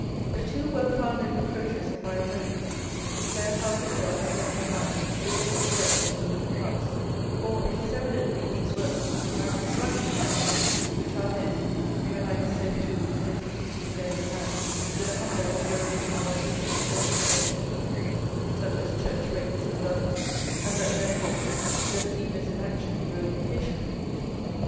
The too well founded reproaches of my opponents declare how little I have lent a hand to the great works of the middle class; for it is evidently these works, and my slackness at them, which are meant, when I am said to "refuse to lend a hand to the humble operation of uprooting certain definite evils" (such as church rates and others), and that therefore "the believers in action grow impatient" with me.